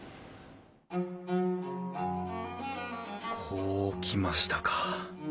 こうきましたかあ。